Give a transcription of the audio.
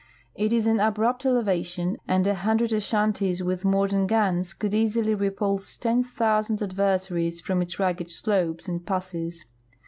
It is an abrupt elevation, and a hundred Ashantis with modern guns could easily repulse ten thousand adversaries from its rugged slopes and passes.